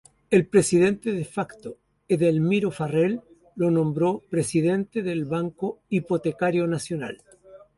El presidente "de facto" Edelmiro J. Farrell lo nombró presidente del Banco Hipotecario Nacional.